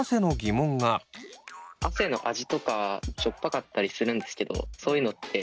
汗の味とかしょっぱかったりするんですけどそういうのって